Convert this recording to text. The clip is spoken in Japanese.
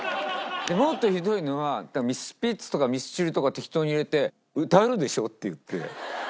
もっとひどいのはスピッツとかミスチルとか適当に入れて「歌えるでしょ？」って言って。